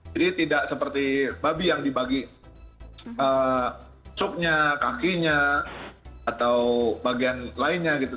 jadi tidak seperti babi yang dibagi supnya kakinya atau bagian lainnya gitu